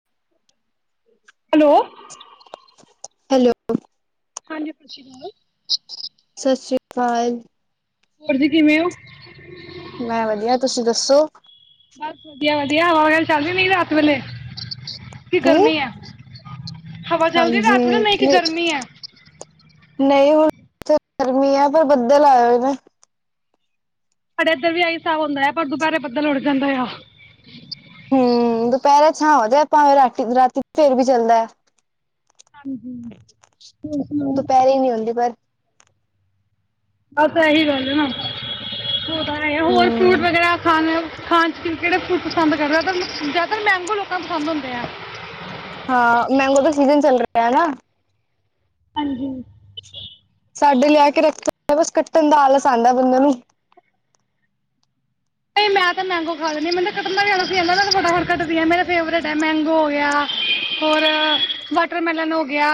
[inaudible] Hello, hello, ਹਾਂਜੀ। ਤੁਸੀ ਕੀ। ਸਤਿ ਸ਼੍ਰੀ ਅਕਾਲ। ਹੋਰ ਜੀ ਕਿਵੇਂ ਹੋ ਮੈਂ ਵਧੀਆ ਤੁਸੀਂ ਦੱਸੋ। ਬਸ ਵਧੀਆ ਵਧੀਆ ਹਵਾ ਚੱਲਦੀ ਨ ਰਾਤ ਵੇਲੇ। ਕੀ ਗਰਮੀ ਹੈ ਹਵਾ ਚੱਲਦੀ ਹੈ ਹਾਂਜੀ, ਰਾਤ ਵੇਲੇ ਕੇ ਨਹੀਂ ਨ ਗਰਮੀ ਹੈ। ਨਹੀਂ ਹੁਣ ਤੇ ਗਰਮੀ ਹੈ ਪਰ ਬੱਦਲ ਆਏ ਹੋਏ ਨੇ। ਸਾਡੇ ਇੱਧਰ ਵੀ ਆਹੀ ਹਿਸਾਬ ਹੁੰਦਾ ਆ ਪਰ ਦੁਪਹਿਰੇ ਬੱਦਲ ਉੱੜ ਜਾਂਦਾ ਆ। ਹਮ ਦੁਪਹਿਰੇ ਛ ਹਾਂ ਹੋਜਾਏ ਭਾਵੇਂ ਰਾਤੀ ਫੇਰ ਵੀ ਚੱਲਦਾ ਆ ਹਾਂਜੀ ਹੋਰ ਸੁਣਾਓ ਦੁਪਹਿਰੇ ਨੀ ਹੁੰਦੀ ਪਰ। ਅ ਤਾਂ ਇਹੀ ਗੱਲ ਹੈ ਨਾ ਹੋਰ ਫਰੂਟ ਹੂੰ। ਵਗੈਰਾ ਖਾਣੇ ਖਾਣ ਕਿਹੜੇ ਫਰੂਟ ਪਸੰਦ ਕਰਦੇ ਆ ਜ਼ਿਆਦਾਤਰ ਮੰਗੋ ਲੋਕਾਂ ਨੂੰ ਪਸੰਦ ਹੁੰਦੇ ਆ। ਹਾਂ ਮੈਂਗੋ ਦਾ ਸੀਜਨ ਚੱਲ ਰਿਹਾ ਹੈ ਨਾਂ ਹਾਂਜੀ। ਸਾਡੇ ਲਿਆ ਕੇ ਰੱਖੇ ਹੋਏ ਦੇ ਨੇ ਬਸ ਕੱਟਣ ਦਾ ਆਲਸ ਆਉਦਾ ਬੰਦੇ ਨੂੰ। ਨਹੀਂ ਮੈਂ ਤਾਂ ਮੈਂਗੋ ਖਾ ਲੈਂਦੀ ਆ ਮੈਨੂੰ ਕੱਣ ਦਾ ਵੀ ਆਲਸ ਨੀ ਆਉਂਦਾ ਮੈਂ ਤਾਂ ਫ਼ਟਾ ਫੱਟ ਕਟਦੀ ਆਂ ਮੇਰਾ ਫੇਵਰੇਟ ਹੈ ਮੈਂਗੋ ਹੋ ਗਿਆ। ਹੋਰ ਵਾਟਰਮੈਲਨ ਹੋ ਗਿਆ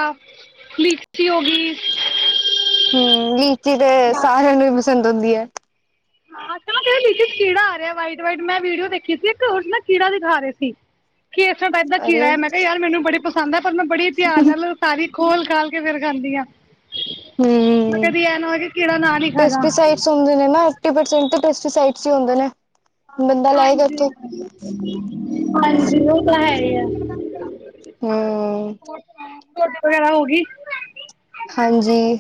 ਲੀਚੀ ਹੋ ਗਈ। ਹਮ ਲੀਚੀ ਤੇ ਸਾਰਿਆਂ ਨੂੰ ਵੀ ਪਸੰਦ ਹੁੰਦੀ ਹੈ, ਆਸਾ ਦੇ ਵਿਚ ਕੀੜਾ ਆ ਰਿਹਾ ਵਾਈਟ ਵਾਈਟ ਮੈਂ ਵੀਡੀਓ ਦੇਖੀ ਸੀ ਇੱਕ ਉਸ ਨਾ ਕੀੜਾ ਦਿਖਾ ਰਹੇ ਸੀ, [inaudible] ਕਿ ਇਸਰ੍ਹਾਂ ਟਾਈਪ ਦਾ ਅਰੇ ਕੀੜਾ ਹੈ ਮੈਂ ਕਿਹਾ ਯਾਰ ਮੈਨੂੰ ਬੜੀ ਪਸੰਦ ਹੈ ਪਰ ਮੈਂ ਬੜੇ ਧਿਆਨ ਨਾਲ ਸਾਰੀ ਖੋਲ ਖਾਲ ਕੇ ਫੇਿਰ ਖਾਂਦੀ ਹਾਂ, ਮੈਂ ਹੂੰ, ਕਦੀ ਐ ਨਾ ਹੋ ਕਿ ਕੀੜਾ ਨਾ ਨੀ ਖਾ ਜਾ ਸੌਦੇ ਰੇ ਨਾ ਪੈਸਟੀ ਸਾਈਡ ਹੁੰਦੇ ਨੇ, ਬੰਦਾ ਲਾਏਗਾ ਹਾਂਜੀ ਇੱਥੋਂ ਹ ਹਾਂਜੀ ਉਹ ਤਾਂ ਹੈ ਹੀ ਆ [unintelligible] ਤੁਹਾਡੀ [unintelligible] ਹੋਗੀਈ ਹਾਂਜੀ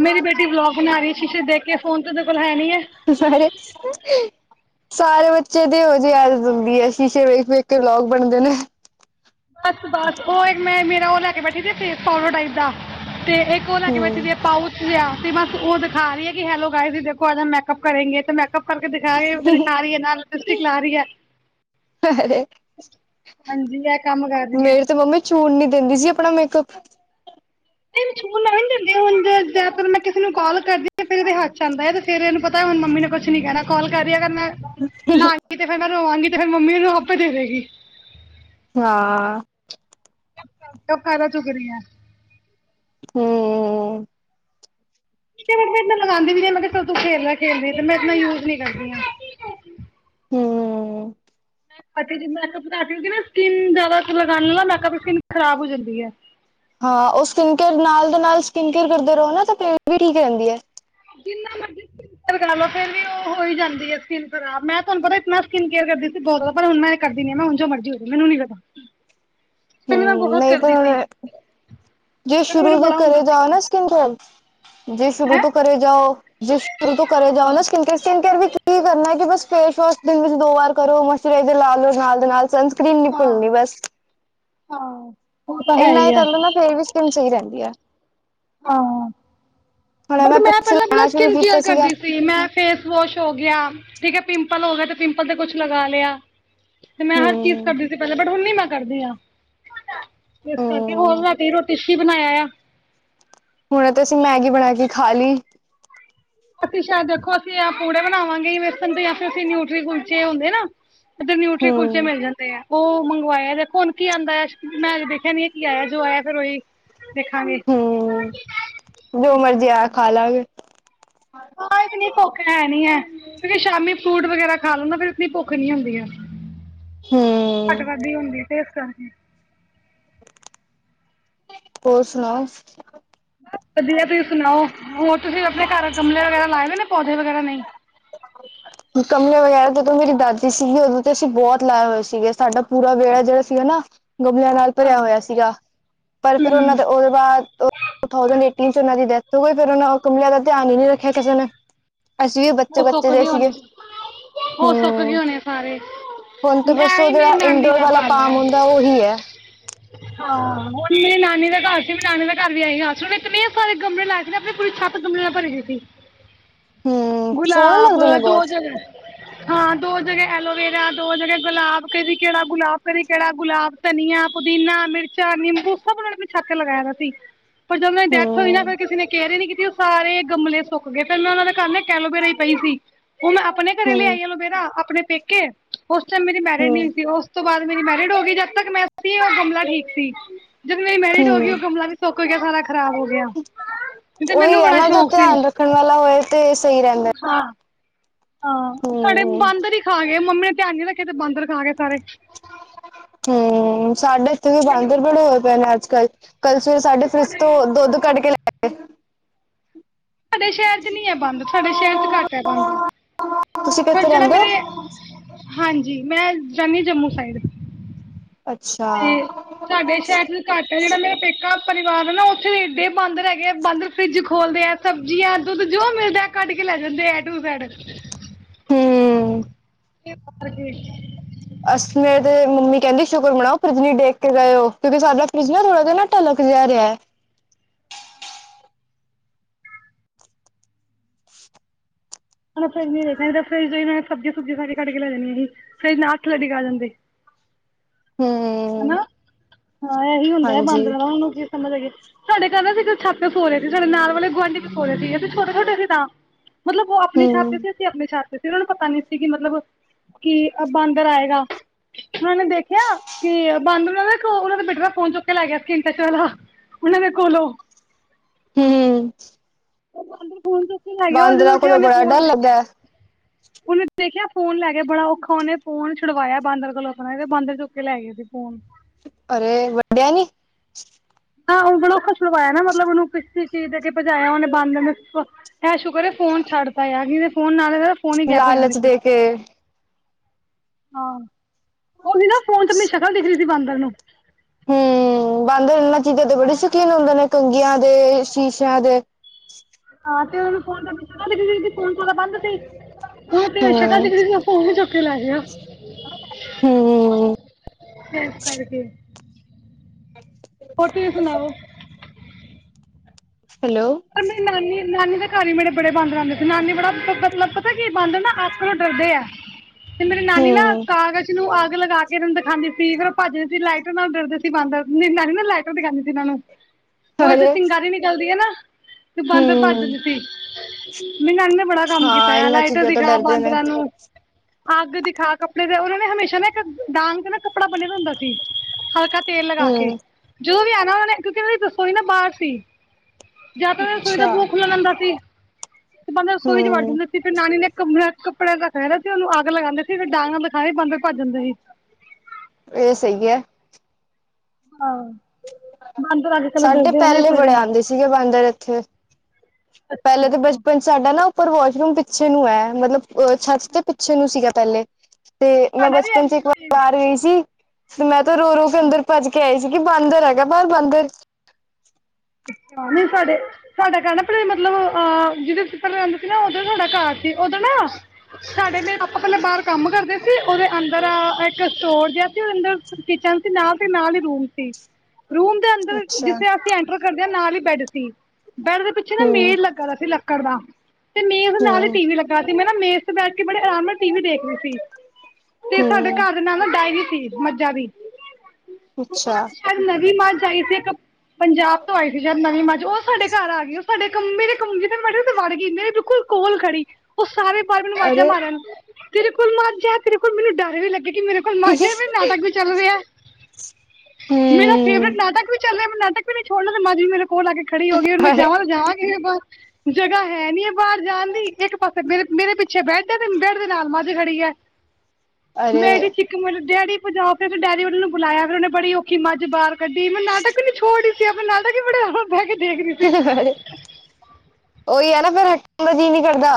ਮੇਰੀ ਬੇਟੀ ਵਲੋਗ ਬਣਾ ਰਹੀ ਸ਼ੀਸ਼ੇ ਦੇਖ ਕੇ ਫੋਨ ਤੇ ਉਹਦੇ ਕੋਲ ਹੈ ਨੀ ਹੈ, ਸਾਰੇ ਸੂਟ ਸਾਰੇ ਬੱਚੇ ਤੇ ਇਹੋ ਜਿਹੇ ਆ ਜਾਂਦੀ ਹੈ ਸ਼ੀਸ਼ੇ ਵੇਖ ਵੇਖ ਕੇ ਵਲੋਗ ਬਣਦੇ ਨੇ, ਬਸ ਬਸ ਉਹ ਇੱਕ ਮੈਂ ਮੇਰਾ ਉਹ ਲੈ ਕੇ ਬੈਠੀ ਸੀੇ ਫੇਸ ਫਾਰਵਰਡ ਟਾਈਪ ਦਾ ਤੇ ਇੱਕ, ਲੈ ਕੇ ਹੂੰ ਬੈਠੀ ਪਾਊਚ ਆ ਤੇ ਬਸ ਉਹ ਦਿਖਾ ਰਹੀ ਹੈ ਕਿ ਹੈਲੋ ਗਏ ਸੀ ਦੇਖੋ ਅਜ ਮੈਕਅਪ ਕਰੇਗੇ ਤੇ ਮ ਮੇਕਅੱਪ ਕਰਕੇ ਦਿਖਾ ਦਿਖਾਹੀ ਹੈ ਨਾਲ ਲਿਸਟਿਕ ਲਾ ਰਹੀ ਹੈ ਹਾਂਜੀ ਇਹ [unintelligible] ਕੰਮ ਕਰ ਰਹੀ ਹੈ ਮੇਰੇ ਤੇ ਮੰਮੀ ਛੁਣ ਨੀ ਦਿੰਦੀ ਸੀ ਆਪਣਾ ਮੇਕਅੱਪ, [unintelligible] ਤੇ ਹੁਣ ਜਿਆ ਮੈਂ ਕਿਸੇ ਨੂੰ ਕਾਲ ਕਰਦੀ ਹ ਫ ਇਹਦੇ ਹੱਥ ਆਉਦਾ ਹੈ ਤੇ ਫੇਰ ਇਹਨੂੰ ਪਤਾ ਹੁਣ ਮੰਮੀ ਨੇ ਕੁਛ ਨੀ ਕਹਿਣਾ, ਕਾਲ ਕਰ ਰਹੀ ਅਗਰ ਮੈਂ ਲਾਾਂਗੀ ਤੇ ਫਿਰ ਮੈਂ ਰੋਵਾਂਗੀ ਤੇ ਫੇਿਰ ਮੰਮੀ ਉਹਨੂੰ ਆਪੇ ਦੇਵੇਗੀ, [unintelligible] ਜੌ ਕਾਰਾ ਚੋ ਗਿਰੀਆਂ [unintelligible] ਤੇ ਮੈਂ ਇਨਾ ਲਗਾਉਂਦੀ ਵੀ ਨਹੀਂ ਮੈਂ, ਕਿਹਾ ਤੂੰ ਖੇਲਲੈ ਖੇਲਦੀ ਅ ਤਾਂ ਮੈਂ ਇਨਾ ਯੂਜ ਨੀ ਕਰਦੀ ਹਾਂ [unintelligible] ਅੱਛਾ ਜ ਮੈਕਅਪ ਕਰ ਰਹਿ ਨਾ ਸਕਿਨ ਜਿਆਦਾ ਲਗਾਉਣ ਨਾਲਾ ਮੈਕਪ ਸਕਿਨ ਖਰਾਬ ਹੋ ਜਾਂਦੀ ਹੈ, ਹਾਂ ਉਹ ਸਕਿਨ ਕੇਅਰ ਨਾਲ ਦੇ ਨਾਲ ਸਕਿਨ ਕੇਅਰ ਕਰਦੇ ਰਹੋ ਨਾ ਤਾਂ ਫੇਰ ਵੀ ਠੀਕ ਰਹਿੰਦੀ ਹੈ ਜਿੰਨਾ ਮਰਜ਼ ਰ ਕਰ ਲਓ ਫਿਰ ਵੀ ਓ ਹੋ ਹੀ ਜਾਂਦੀ ਐ ਸਕਿੰਨ ਖਰਾਬ ਮੈਂ ਤੁਹਾਨੂੰ ਪਤਾ ਇਤਨਾ ਸਕਿਨ ਕੇਅਰ ਕਰਦੀ ਸੀ ਬੋਤ ਜਾਦਾ ਪਰ ਹੁਣ ਮੈਂ ਕਰਦੀ ਆਂ ਮੈਂ ਹੁਣ ਜੋ ਮਜ਼ਰੀ ਹੋ ਜੇ ਮੈਨੂੰ ਨੀ ਪਤਾ [unintelligible] ਪੈਲੇ ਮੈਂ ਬਹੁਤ ਨਹੀਂ ਪਰ ਕਰਦੀ ਸੀ। ਹੁਣ ਜੇ ਪਹਿਲੇ ਸ਼ੁਰੂ ਮੈਨੂੰ ਤੋਂ ਬੜਾ ਕਰੇ ਹੁੰਦਾ ਸੀ ਜਾਓ ਕਿ ਨਾ ਸਕਿਨ ਕੋਲ ਜੇ ਸ਼ੁਰੂ ਹੈ ਤੋਂ ਕਰੇ ਜਾਓ। ਜਿਸ ਸ਼ੁਰੂ ਤੋਂ ਕਰੇ ਹਾਂ ਜਾਓ ਨਾ ਸਕਰ ਸਕਿਨ ਕੇਅਰ ਵੀ ਕੀ ਕਰਨਾ ਹੈ ਕਿ ਬਸ ਫੇਸ ਵਾਸ਼ ਦੇ ਵਿੱਚ ਦੋ ਵਾਰ ਕਰੋ ਮਸਚੁਰਾਈਜ਼ਰ ਲਾ ਲ ਨਾਲ ਦੇ ਨਾਲ ਸਨਸਕਰੀਨ ਨੀ ਭੁੱਲਣੀ ਹਾਂ ਬਸ ਹਾਂ ਉਹ ਤਾਂ ਹੈ ਇੰਨਾ ਹੀ ਹੈ ਕਰਲੋ ਨਾ ਫੇਰ ਵੀ ਸਕਿੰਨ ਸਈ ਰੈਂਦੀ ਐ। ਆਂ ਬਟ ਮੈਂ ਪਿੱਛੇ ਪੈਲਾਂ ਕੇੜਾ ਲਾਣਾ ਸ਼ੁਰੂ ਸਕਿਨ ਕੇਅਰ ਕੀਤਾ ਸੀਗਾ ਕਰਦੀ ਸੀ ਮੈਂ ਫੇਸ ਵੋਸ਼ ਹੋ ਗਿਆ ਠੀਕ ਹੈ ਪਿੰਪਲ ਹੋ ਗਿਆ ਤੇ ਪਿੰਪਲ ਤੇ ਕੁਛ ਲਗਾ ਲਿਆ। ਤੇ ਮੈਂ ਹਰ ਚੀਜ਼ ਹੂੰ ਕਰਦੀ ਸੀ ਪੈਲਾਂ ਬਟ ਹੁਣ ਨੀ ਮੈਂ ਕਰਦੀ ਆਂ ਇਸ ਕਰਕੇ ਹੋਰ ਹੂੰ ਰਾਤੀ ਰੋਟੀ 'ਚ ਕੀ ਬਣਾਇਆ ਆ। ਹੁਣੇ ਤੇ ਅਸੀਂ ਮੈਗੀ ਬਣਾ ਕੇ ਖਾ ਲਈ ਅਸੀਂ ਸ਼ਾਇਦ ਦੇਖੋ ਅਸੀਂ ਆਹ ਪੂੜੇ ਬਣਾਵਾਂਗੇੇ ਵੇਸਨ ਦੇ ਜਾਂ ਫਿਰ ਅਸੀਂ ਨਿਊਟਰੀ ਕੁਲਚੇ ਹੁੰਦੇ ਨਾ। ਇੱਧਰ ਨਿਊਟਰੀ ਕੁਲਚੇ ਹੂੰ ਮਿਲ ਜਾਂਦੇ ਐ। ਓ ਮੰਗਵਾਇਆ ਦੇਖੋ ਹੁਣ ਕੀ ਆ ਉਂਦਾ ਮੈਂ ਦੇਖਿਆ ਨ ਕੀ ਆਇਆ ਜੋ ਆਇਆ ਫਿਰ ਉਹੀ ਦੇਖਾਂਗੇ ਹੂੰ ਇਸ ਕਰਕੇ ਅਲੱਗ ਹਾਂ ਇਤਨੀ ਭੁੱਖ ਹੈ ਨੀ ਹੈ। ਓ ਸ਼ਾਮੀ ਫਰੂਟ ਵਗੈਰਾ ਖਾ ਲੋ ਨਾ ਫੇਰ ਉਤਨੀ ਭੁੱਖ ਨੀ ਹੁੰਦੀ ਹੈ। ਘੱਟ ਹੂੰ ਵਧ ਈ ਹੁੰਦੀ ਤੇ ਇਸ ਕਰਕੇ ਹੋਰ ਸੁਣਾਓ। ਬਸ ਵਧੀਆ ਤੁਸੀਂ ਸੁਣਾਓ ਹੋਰ ਤੁਸੀਂ ਆਪਣੇ ਘਰ ਗਮਲੇ ਵਗੈਰਾ ਲਾਏ ਹੋਏ ਨੇ ਪੌਦੇ ਵਗੈਰਾ ਨਈ। ਕਮਲੇ ਵਗੈਰਾ ਜਦੋਂ ਮੇਰੀ ਦਾਦੀ ਸੀਗੀ ਉਦੋਂ ਤੇ ਅਸੀਂ ਬੋਤ ਲਾਏ ਹੋਏ ਸੀਗੇ ਸਾਡਾ ਪੂਰਾ ਵਿਹੜਾ ਜੇੜਾ ਸੀਗਾ ਨਾ। ਗਮਲਿਆਂ ਨਾਲ ਭਰਿਆ ਹਾਂ ਹੋਇਆ ਸੀਗਾ ਪਰ ਫੇਰ ਉਹਨਾਂ ਹੂੰ, ਦਾ ਓ ਬਾਅਦ ਟੂ ਥਾਓਸੈੰਡ ਏਟੀਨ 'ਚ ਉਹਨਾ ਦੀ ਡੈਥ ਹੋ ਗਈ ਫੇਰ ਓ ਗਮਲਿਆ ਦਾ ਧਿਆਨ ਹੀ ਨਈ ਰੱਖਿਆ ਕਿਸੇ ਨੇ ਅਸੀਂ ਵੀ ਉਹ ਬੱਚੇ-ਬੱਚੇ ਸੁੱਕ ਜੇ ਗਏ ਸੀਗੇ। ਹੋਣੇ, ਉਹ ਸੁੱਕ ਗਏ ਹੂੰ ਹੋਣੇ ਸਾਰੇ। ਹੁਣ ਤਾਂ ਬਸ ਐ ਓ ਹੀ ਜੇੜਾ ਮੇਰੀ ਨਾਨੀ ਇੰਡੋਰ ਦਾ ਵਾਲਾ ਹਾਲ ਐ। ਪਾਮ ਹੁੰਦਾ ਉਹੀ ਹੈ। ਹਾਂ ਮੇਰੀ ਨਾਨੀ ਦਾ ਘਰ ਸੀ ਮੈਂ ਨਾਨੀ ਦਾ ਘਰ ਵੀ ਇਹੀ ਹਾਲ ਹੁਣ ਇਤਨੇ ਸਾਰੇ ਗਮਲੇ ਲਾਏ। ਇਹਨਾ ਨੇ ਆਪਣੀ ਪੂਰੀ ਛੱਤ ਗਮਲਿਆਂ ਨਾਲ ਭਰੀ ਹੋਈ ਸੀ। ਹੂੰ ਸੋਹਣੇ ਲੱਗਦੇ ਨੇ ਬੋਤ ਹਾਂ ਦੋ ਜਗ੍ਹਾ ਐਲੋਵੇਰਾ ਦੋ ਜਗਾ ਗੁਲਾਬ ਕਦੀ ਕੇੜਾ ਗੁਲਾਬ ਕਦੀ ਕੇੜਾ ਗੁਲਾਬ ਧਨੀਆ, ਪੁਦੀਨਾ, ਮਿਰਚਾ, ਨਿੰਬੂ ਸਭ ਉਹਨਾ ਨੇ ਅਪਨੀ ਛੱਤ ਤੇ ਲਗਾਇਆ ਹੋਆ ਸੀ। ਪਰ ਜਦੋਂ ਓਹਨਾਂ ਦੀ ਡੈਥ ਹੋਈ ਨਾ ਹੂੰ ਫਿਰ ਕਿਸੇ ਨੇ ਕੇਅਰ ਹੀ ਨਈ ਕੀਤੀ ਓ ਸਾਰੇ ਗਮਲੇ ਸੁੱਕ ਗਏ ਫੇਰ ਮੈਂ ਉਹਨਾਂ ਦੇ ਘਰ ਨਾ ਇਕ ਐਲੋਵੇੇਰਾ ਈ ਪਈ ਸੀ ਓ ਮੈਂ ਆਪਣੇ ਘਰੇ ਲੈ ਹੂੰ ਆਈ ਐਲੋਵੇੇਰਾ ਆਪਣੇ ਪੇਕੇ ਉਸ ਟਾਇਮ ਮੇਰੀ ਮੈਰਿਜ ਹੂੰ ਨਈ ਹੋਈ ਸੀ ਉਸ ਤੋਂ ਬਾਦ ਮੇਰੀ ਮੈਰਿਡ ਹੋ ਗਈ ਜਦ ਤੱਕ ਮੈਂ ਸੀ ਓ ਗਮਲਾ ਠੀਕ ਸੀ। ਜਦੋਂ ਮੇਰੀ ਮੈਰਿਡ ਹੋ ਗਈ ਓ ਹੂੰ ਗਮਲਾ ਵੀ ਸੁੱਕ ਗਿਆ ਸਾਰਾ ਖਰਾਬ ਹੋ ਗਿਆ ਤੇ ਉਹੀ ਮੈਨੂੰ ਹੈ ਬੜਾ ਨਾ ਜੋ ਸ਼ੌਕ ਸੀ। ਧਿਆਨ ਰੱਖਣ ਵਾਲਾ ਹੋਇ ਤੇ ਸਈ ਰੈਂਦਾ। ਹਾਂ ਹਾਂ ਸਾਡੇ ਹੂੰ ਬਾਂਦਰ ਹੀ ਖਾ ਗਏ ਮੰਮੀ ਨੇ ਧਿਆਨ ਨੀ ਰੱਖਿਆ ਤੇ ਬਾਂਦਰ ਖਾ ਗਏ ਸਾਰੇ ਹੂੰ ਸਾਡੇ ਇੱਥੇ ਵੀ ਬਾਂਦਰ ਬੜੇ ਹੋਏ ਪਏ ਨੇ ਅੱਜ ਕੱਲ ਕੱਲ ਸਵੇਰੇ ਸਾਡੇ ਫਰਿਜ ਤੋਂ ਦੁੱਧ ਕੱਢ ਕੇ ਲੈ ਗਏ। ਸਾਡੇ ਸ਼ਹਿਰ 'ਚ ਨੀ ਹੈ ਬਾਂਦਰ ਸਾਡੇ ਸ਼ਹਿਰ 'ਚ ਘੱਟ ਐ ਬਾਂਦਰ ਤੁਸੀਂ ਪਰ ਕਿਥੇ ਜਿਹੜਾ ਰਹੰਦੇ ਹੋ? ਮੇਰੇ ਹਾਂਜੀ ਮੈਂ ਰਹੰਨੀ ਜੰਮੂ ਸਾਈਡ ਦੀ। ਅੱਛਾ ਤੇ ਸਾਡੇ ਸ਼ੈਰ ਚ ਘੱਟ ਹੈ ਜਿਹੜਾ ਮੇਰਾ ਪੇਕਾ ਪਰਿਵਾਰ ਹੈ ਨਾ ਉੱਥੇ ਵੀ ਏਡੇ ਬਾੰਦਰ ਹੈਗੇ ਆ ਬਾੰਦਰ ਫਰਿੱਜ ਖੋਲਦੇ ਐ। ਸਬਜ਼ੀਆਂ ਦੁੱਧ ਜੋ ਮਿਲਦਾ ਕੱਢ ਕੇ ਲੈ ਜਾਂਦੇ ਐ ਟੂ ਜੈਡ। ਹੂੰ। [inaudible] ਅਸ ਮੇਰੇ ਤੇ ਮੰਮੀ ਕਹਿੰਦੀ ਸ਼ੁਕਰ ਮਣਾਓ ਫਰਿਜ ਨੀ ਢੇਗ ਕੇ ਗਏ ਹੋ ਕਿਉਂਕਿ ਸਾਡਾ ਫਰਿਜ ਨਾ ਥੋੜ੍ਹਾ ਜਿਹਾ ਨਾ ਟਲਕ ਜਾ ਰਿਹਾ। ਉਨਾ ਫਰਿੱਜ ਨੀ [unintelligible] ਨੀ ਤੇ ਫਰਿੱਜ ਸਬਜ਼ੀਆਂ-ਸੁਬਜ਼ੀਆਂ ਸਾਰੀ ਕੱਢ ਕੇ ਲੈ ਜਾਣੀਆ ਸੀ ਫਰਿੱਜ ਨਾਲ ਥੱਲੇ ਡਿਗਾ ਦਿੰਦੇ। ਹੈਨਾ ਹੂੰ, ਹਾਂ ਇਹੀ ਹੁੰਦਾ ਹੈ ਹਾਂਜੀ ਬਾਂਦਰਾਂ ਦਾ ਹੁਣ ਸਮਝ ਹੈਗੀ ਸਾਡੇ ਘਰ ਨਾ ਅਸੀ ਛੱਤ ਤੇ ਸੋ ਰਹੇ ਸੀ ਸਾਡੇ ਨਾਲ ਵਾਲੇ ਗੁਆਂਢੀ ਵੀ ਸੋਰੇ ਸੀ ਅਸੀਂ ਛੋਟੇ-ਛੋਟੇ ਸੀ ਤਾਂ। ਮਤਲਬ ਉਹ ਅਪਣੀ ਛਤ ਹੂੰ, ਤੇ ਸੀ ਅਸੀਂ ਅਪਣੀ ਛਤ ਤੇ ਸੀ ਉਹਨਾਂ ਨੂੰ ਪਤਾ ਨੀ ਸੀ ਕਿ ਮਤਲਬ ਕੀ ਅ ਬਾਂਦਰ ਆਏਗਾ। ਉਹਨਾਂ ਨੇ ਦੇਖਿਆ ਕਿ ਬਾੰਦਰ ਨਾ ਉਹਨਾ ਦੇ ਬੇਟੇ ਦਾ ਫੋਨ ਚੁੱਕ ਕੇ ਲੈ ਗਿਆ ਸਕ੍ਰੀਨ ਟੱਚ ਵਾਲਾ। ਉਨਾਂ ਦੇ ਕੋਲੋਂ। ਹੂੰ। [unintelligible] ਜਦੋਂ ਬਾਂਦਰਾਂ ਉੱਠਿਆ ਕੋਲੋਂ ਉਹਨੇ ਬੜਾ ਡਰ ਫੋਨ ਦੇਖਿਆ ਲੱਗਦਾ। [unintelligible] ਫੋਨ ਲੈ ਗਿਆ ਬੜਾ ਔਖਾ ਉਹਨੇ ਫੋਨ ਛੁੜਵਾਇਆ ਬਾਂਦਰ ਕੋਲੋਂ ਆਪਣਾ ਏ ਵੇ ਬਾਂਦਰ ਚੁੱਕ ਕੇ ਲੈ ਗਏ ਸੀ ਫੋਨ। ਅਰੇ ਵੱਡਿਆ ਨੀ? ਨਾ ਉਹ ਬੜਾ ਅੋਖਾ ਛੁਡਵਾਇਆ ਨਾ ਮਤਲਬ ਉਹਨੂੰ ਕਿਸੀ ਚੀਜ਼ ਦੇ ਕੇ ਭਜਾਇਆ ਉਹਨੇ ਬਾੰਦਰ ਨੂੰ ਐ ਸ਼ੂਕਰ ਏ ਫੋਨ ਛੱਡਤਾ ਆ ਨੀ ਤੇ ਫੋਨ ਨਾਲ ਫੋਨ ਹੀ ਗੈਪ ਹੋ ਜਾਨਾ ਫਿ ਤੇ ਹਾਂ, ਉਹਦੀ ਨਾ ਫੋਨ ਚ ਅਪਣੀ ਸ਼ਕਲ ਦਿਖ ਰੀ ਸੀ ਬਾਂਦਰ ਨੂੰ। ਹੂੰ, ਬਾਂਦਰ ਇਹਨਾਂ ਚੀਜ਼ਾਂ ਦੇ ਬੜੇ ਸ਼ੌਕੀਨ ਹੁੰਦੇ ਨੇ ਕੰਗੀਆਂ ਦੇ, ਸ਼ੀਸ਼ਿਆਂ ਦੇ। ਹਾਂ ਤੇ ਉਹ [unintelligible] ਫੋਨ ਤੇ ਓਦਾ ਬੰਦ ਸੀ ਉਹਨੂੰ ਤੇ ਸ਼ਕਲ ਹੂੰ, ਦਿਖ ਰੀ ਸੀ ਫੋਨ ਹੀ ਚੁੱਕ ਕੇ ਲੈ ਗਆ। ਹੂੰ ਫੇਸ ਕਰਕੇ। ਹੋਰ ਤੁਸੀਂ ਸੁਣਾਓ? ਹੈਲੋ ਪਰ ਮੇਰੀ ਨਾਨੀ-ਨਾਨੀ ਦੇ ਘਰ ਵੀ ਮੇਰੇ ਬੜੇ ਬਾਂਦਰ ਆਂਦੇ ਸੀ ਨਾਨੀ ਬੜਾ ਮਤਲਬ ਪਤਾ ਕੀ ਬੰਦਰ ਨਾ ਅੱਗ ਕੋਲੋ ਡਰਦੇ ਐ। ਹ ਤੇ ਮੇਰੇ ਨਾਨੀ ਨਾ ਕਾਗਜ਼ ਨੂੰ ਅੱਗ ਲਗਾ ਫੇਰ ਉਹਨੂੰ ਦਿਖਾਦੀ ਸੀ ਫਿਰ ਉਹ ਭੱਜਦੇ ਸੀ ਲਾਈਟਰ ਨਾਲ ਡਰਦੇ ਸੀ ਬਾਂਦਰ ਨੀ ਨ ਨਾ ਲਾਈ ਦਿਖਾਦੀ ਸੀ ਇਹਨਾਂ ਨੂੰ ਹੋਰ ਤੇ ਅਰੇ ਚਿੰਗਾਰੀ ਨਿਕਲਦੀ ਹੈ ਨਾ। ਤੇ ਬਾਂਦਰ ਹੂੰ ਭੱਜਦੇ ਸੀ, ਮੇਰੀ ਨਾਨੀ ਨੇ ਬੜਾ ਕੰਮ ਕੀਤਾ ਹਾਂ ਆ ਇਹਨਾਂ ਲਾਈਟਰ ਚੀਜ਼ਾਂ ਤੋਂ ਦਿਖਾ ਡਰਦੇ ਨੇ ਬਾਂਦਰਾਂ ਨੂੰ। ਅੱਗ ਦਿਖਾ ਕੱਪੜੇ ਦੇ ਉਹਨਾਂ ਨੇ ਹਮੇਸ਼ਾ ਨਾ ਇੱਕ ਡਾਂਗ ਤੇ ਨਾ ਕੱਪੜਾ ਬਨਿਆ ਹੁੰਦਾ ਸੀ ਹਲਕਾ ਤੇਲ ਲਗਾ ਕੇ ਹੂੰ ਜੋ ਵੀ ਆਨਾ ਉਹਨਾਂ ਨੇ ਕਿਉਂਕਿ ਉਹਨਾਂ ਦੀ ਰਸੋਈ ਨਾ ਬਾਰ ਸੀ। ਜਾ ਤਾਂ ਰਸੋਈ ਦਾ ਅੱਛਾ ਬੂਆ ਖੁੱਲਾ ਰੇਹਦਾ ਸੀ ਤੇ ਬਾਂਦਰ ਰਸੋਈ ਚ ਵੜ ਹੂੰ ਜਾਂਦਾ ਸੀ ਫਿਰ ਨਾਨੀ ਨੇ ਕਮਰ ਕੱਪੜੇ ਰੱਖਆ ਦਾ ਸੀ ਉਹਨੂੰ ਅੱਗ ਲਗਾਦੇ ਸੀ ਫਿਰ ਡਾਂਗ ਦਿਖਾਈ ਬਾਂਦਰ ਬੰਦੇ ਭੱਜ ਜਾਂਦੇ ਸੀ। ਏ ਸਹੀ ਐ। ਸਾਡੇ ਪਹਿਲੇ ਬੜੇ ਆਉਂਦੇ [unintelligible] ਪੈਲੇ ਤੇ ਬ ਸਾਡਾ ਨਾ ਉੱਪਰ ਵੋਸ਼ਰੂਮ ਪਿੱਛੇ ਨੂੰ ਐ, ਮਤਲਬ ਛੱਤ ਤੇ ਪਿੱਛੇ ਨੂੰ ਸੀਗਾ ਪੈਲੇ ਤੇ ਮੈਂ ਸਾਡਾ ਵੀ ਬਚਪਨ ਚ ਅੱਜ ਇਕ ਵਾਰ ਸੇਮ ਆ ਰਈ ਸੀ, ਤੇ ਮੈਂ ਤੇ ਰੋ, ਰੋ ਕੇ ਅੰਦਰ ਭੱਜ ਕੇ ਆਈ ਸੀ। ਬਾਂਦਰ ਹੈਗਾ ਬਾਰ ਬਾਂਦਰ। ਅੱਛਾ ਨੀ ਸਾਡੇ ਸਾਡਾ ਕਹਿਣਾ ਭੈਣ ਮਤਲਬ ਅਹ ਜਿਹਦੇ ਰਹਿੰਦੇ ਸੀ ਨਾ ਉਦ ਸਾਡਾ ਘਰ ਸੀ ਉਦੋਂ ਨਾ ਸਾਡੇ ਲਈ ਆਪਾਂ ਪੈਲਾਂ ਬਾਰ ਕੰਮ ਕਰਦੇ ਸੀ, ਓਦੇ ਅੰਦਰ ਏਕ ਸਟੋਰ ਜਾ ਸੀ ਓਦੇ ਅੰਦਰ ਕਿਚਨ ਸੀ ਨਾਲ, ਤੇ ਨਾਲ ਈ ਰੂਮ ਸੀ। [inaudible] ਰੂਮ ਦੇ ਅੰਦਰ ਅੱਛਾ ਜਿੱਥੇ ਅਸੀਂ ਐਂਟਰ ਕਰਦੇ ਆਂ ਨਾਲ ਈ ਬੈਡ ਸੀ। ਬੈਡ ਦੇ ਪਿੱਛੇ ਨਾ ਹਮ ਮੇਜ ਲੱਗਾ ਦਾ ਸੀ ਲੱਕੜ ਦਾ, ਤੇ ਮੇਜ ਦੇ ਨਾਲ ਈ ਹਮ ਟੀ ਵੀ ਲੱਗਾ ਮੈਂ ਨਾ ਮੇਜ ਤੇ ਬੈਠ ਕੇ ਬੜੇ ਅਰਾਮ ਨਾਲ ਟੀ ਵੀ ਦੇਖ ਰੀ ਸੀ, ਤੇ ਸਾਡੇ ਹਮ ਘਰ ਦੇ ਨਾਲ ਨਾ ਡਾਇਰੀ ਸੀ [unintelligible] ਅੱਛਾ ਨਵੀ ਮਾਝ ਆਈ ਸੀ ਏਕ, ਪੰਜਾਬ ਤੋਂ ਆਈ ਨਵੀਂ ਮੱਜ ਓ ਸਾਡੇ ਘਰ ਆ ਗਈ ਓ ਸਾਡੇ ਕਮਰੇ, ਕਮਰੇ ਚ ਵੜ ਗਈ। ਮੇਰੇ ਬਿਲਕੁਲ ਕੋਲ ਖੜੀ ਓ ਸਾਰੇ ਬਾਰ ਮੈਨੂੰ ਵਾਜਾਂ ਅਰੇ ਮਾਰਨ, ਤੇਰੇ ਕੋਲ ਮਾਝ ਐ, ਤੇਰੇ ਕੋਲ ਮੈਨੂੰ ਡਰ ਵੀ ਲੱਗੇ ਕਿ ਮੇਰੇ ਨਾਟਕ ਵੀ ਚੱਲ ਰੇਐ, ਮੇਰਾ ਫੇਵਰੇਟ ਹਮ ਨਾਟਕ ਵੀ ਚੱਲਿਆ ਮੈਂ ਨਾਟਕ ਵੀ ਨੀ ਛੋੜਨਾ, ਤੇ ਮਾਝ ਵੀ ਮੇਰੇ ਕੋਲ ਆ ਕੇ ਖੜੀ ਹੋ ਗਈ ਮੈਂ ਅਰੇ ਜਾਵਾਂ ਤੇ ਜਾਵਾਂ ਕਿਦੇ ਕੋਲ ਜਗ੍ਹਾ ਹੈ ਨੀ ਐ ਬਾਰ ਜਾਣ ਦੀ ਇੱਕ ਪਾਸੇ ਮੇਰੇ, ਮੇਰੇ ਪਿੱਛੇ ਬੈਡ ਹੈ, ਤੇ ਬੈਡ ਦੇ ਨਾਲ ਮੱਝ ਖੜੀ ਐ। [inaudible] ਮੈ ਅਰੇ ਐਡੀ ਚੀਕਾਂ ਮਾਰੀ, ਡੈਡੀ ਭਜਾ ਫਿਰ ਤੇ ਡੈਡੀ ਨੂੰ ਬੁਲਾਇਆ ਫਿਰ ਓਨੇ ਬੜੀ ਔਖੀ ਮੱਝ ਬਾਰ ਕੱਡੀ ਮੈਂ ਨਾਟਕ ਨੀ ਛੋੜ ਰਹੀ ਸੀ ਆਪ ਨਾਟਕ ਹੀ ਬੜੇ ਅਰਾਮ ਬੈ ਕੇ ਦੇਖ ਰੀ ਸੀ। ਓਹੀ ਹੈ ਨਾ ਫੇਰ ਜੀਅ ਨੀ ਕਰਦਾ।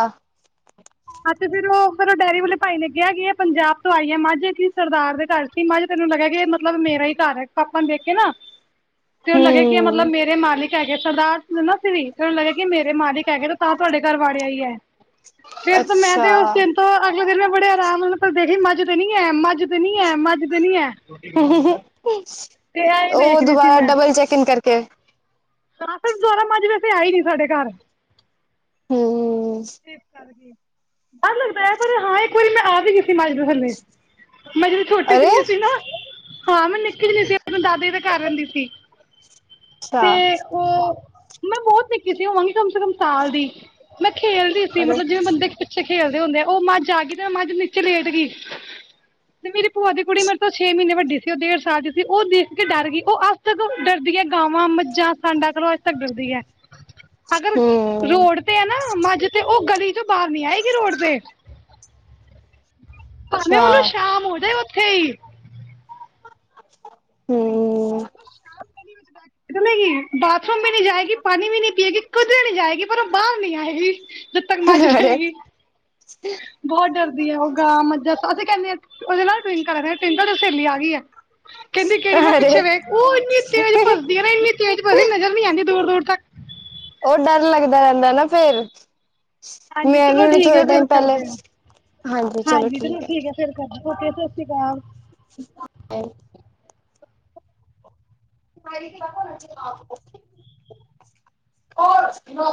ਅਸੀਂ ਫੇਰ ਓ ਫੇਰ ਓ ਡੈਰੀ ਵਾਲੇ ਭਾਈ ਨੇ ਕੇਆ ਕਿ ਏ ਪੰਜਾਬ ਤੋਂ ਆਈ ਏ ਮਾਝ ਕਿਸਿ ਸਰਦਾਰ ਦੇ ਘਰ ਤੇ ਮਾਝ ਨੂੰ ਲੱਗੇਆ ਕਿ, ਮਤਲਬ ਮੇਰਾ ਈ ਘਾਰ ਏ ਪਾਪਾ ਨੂੰ ਦੇਖ ਕੇ ਨਾ [inaudible] ਤੇ ਓਨੂੰ ਲੱਗੇਆ ਕਿ, ਏ ਮਤਲਬ ਹਮ ਮੇਰੇ ਈ ਮਾਲਿਕ ਸਰਦਾਰ ਅਸੀ ਵੀ ਏਨੂੰ ਲੱਗੇਆ ਕਿ ਮੇਰੇ ਮਾਲਿਕ ਹੈਗੇ ਨੇ ਓ ਤਾਂ ਤੁਹਾਡੇ ਘਾਰ ਵਾੜ ਆਈ ਐ। ਫੇਰ ਤੇ ਮੈਂ ਅੱਛਾ ਤੇ ਓਸ ਦਿਨ ਤੋਂ ਅਗਲੇ ਦਿਨ ਫੇਰ ਮੈਂ ਬੜੇ ਅਰਾਮ ਨਾਲ ਸੀ ਮੱਝ ਤੇ ਨੀ ਹੈ, ਮਾਝ ਤੇ ਨੀ ਮੱਝ ਤੇ ਨੀ ਹੈ-ਮੱਝ ਤੇ ਨੀ ਹੈ ਤੇ ਐਂ ਹੀ ਓ ਦੇਖ ਰਹੀ ਦੁਬਾਰਾ ਡਬਲ ਚੈਕਿੰਗ ਕਰਕੇ ਦੁਆਰਾ ਮੱਝ ਵੈਸੇ ਆਈ ਨੀ ਸਾਡੇ ਘਰ ਹੂੰ ਇਸ ਡਰ ਲੱਗਦਾ ਹੈ ਪਰ ਹਾਂ ਇੱਕ ਵਾਰੀ ਮੈਂ ਆ ਵੀ ਗਈ ਸੀ ਮੱਝ ਦੇ ਥੱਲੇ ਮੈਂ ਜਦੋਂ ਛੋਟੀ ਜਿਨੀ ਸੀ ਨਾ, ਹਾਂ ਮੈਂ ਨਿੱਕੀ ਜਿਨੀ ਸੀ ਅਪਨੇ ਦਾਦਾ ਜੀ ਦੇ ਘਰ ਰੈਂਦੀ ਸੀ। ਅੱਛਾ ਓ, ਮੈਂ ਬੋਹੋਤ ਨਿੱਕੀ ਸੀ ਹੋਵਾਂਗੀ ਕਮ ਸੇ ਕਮ ਸਾਲ ਦੀ ਮੈਂ ਖੇਲ ਮਤਲਬ ਜਿਵੇਂ ਬੰਦੇ ਪਿੱਛੇ ਖੇਲਦੇ ਹੁੰਦੇ ਏ ਓ ਮੱਝ ਆ ਗਈ ਤੇ ਮੱਝ ਨੀਚੇ ਲੇਟ ਗਈ ਤੇ ਮੇਰੀ ਭੂਆ ਦੀ ਕੁੜੀ ਮੇਰੇ ਤੋਂ ਜੇਂ ਮੀਨੇ ਵੱਡੀ ਸੀ ਓ ਡੇਢ ਸਾਲ ਦੀ ਸੀ ਓ ਦੇਖ ਕੇ ਡਾਰ ਗਈ ਓ ਆਸ ਡਰਦੀ ਹੈ ਗਾਵਾਂ, ਮੱਝਾਂ, ਸਾਂਡਾ ਕੋਲ਼ੋਂ ਅੱਜ ਤੱਕ ਡਰਦੀ ਐਂ। [inaudible] ਅਗਰ ਰੋਡ ਤੇ ਹੈ ਨਾ ਮੱਝ ਤੇ ਉਹ ਗਲੀ ਤੋਂ ਬਾਹਰ ਨੀ ਆਏਗੀ ਰੋਡ ਤੇ ਭਾਵੇਂ ਓਨੂੰ ਸ਼ਾਮ ਹੋ ਦੇ ਓਥੇ ਈ ਹੂੰ। ਸ਼ਾਮ ਚਲੇਗੀ। ਬਾਥਰੂਮ ਵੀ ਨੀ ਜਾਏਗੀ ਪਾਣੀ ਵੀ ਨੀ ਪੀਏਗੀ ਕਿਦਰੇ ਨੀ ਜਾਏਗੀ। ਪਰ ਓ ਬਾਰ ਨੀ ਆਏਗੀ ਜਦ ਤੱਕ ਮਝ ਰਏਗੀ। ਬੋਹਤ ਡਰਦੀ ਐ ਓ ਗਾਂ, ਮੱਜਾਂ ਅਸੀ ਕਹਿੰਨੇ ਓਦਾ ਨਾਮ ਟਵਿੰਕਲ ਐ ਮੈਂ ਟਵਿੰਕਲ ਤੇਰੀ ਸੇਲੀ ਆ ਗਈ ਐ। ਕੇਂਦੀ ਕੇੜੀ? ਮੈਂ ਅਰੇ ਪਿੱਛੇ ਵੇਖ ਓ ਏਨੀ ਤੇਜ ਭਜਦੀ ਆ ਨਾ ਏਨੀ ਤੇਜ ਭਜਦੀ ਨਜਰ ਨੀ ਆਂਦੀ ਦੂਰ-ਦੂਰ ਤੱਕ। ਓ ਡਰ ਲੱਗਦਾ ਰੈਂਦਾ ਏ ਨਾ ਫੇਰ। ਹਾਂਜੀ ਮੈਂ ਵੀ ਚਲੋ ਹੁਣ ਠੀਕ ਥੋੜੇ ਹੈ ਫਿਰ ਟਾਈਮ ਪੈਲੇ, ਕਰਦੇ ਹਾਂ ਹਾਂਜੀ। ਚਲੋ ਠੀਕ ਐ। ਫਿਰ ਕਰਦੀ ਓਕੇ ਸਤਿ ਸ਼੍ਰੀ ਅਕਾਲ। [unintelligible] [unintelligible]